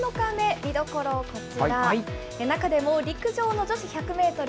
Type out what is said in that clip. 見どころ、こちら、中でも陸上の女子１００メートル